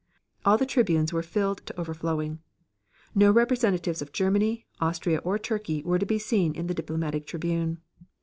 All the tribunes were filled to overflowing. No representatives of Germany, Austria or Turkey were to be seen in the diplomatic tribune.